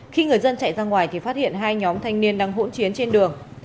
khi người dân chạy ra ngoài thì phát hiện hai nhóm thanh niên đang hỗn chiến trên đường